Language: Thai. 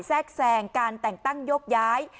แทรกแทรงการแต่งตั้งโยกย้าย